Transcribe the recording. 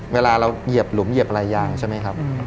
เวลาเราเหยียบหลุมเหยียบอะไรยางใช่ไหมครับ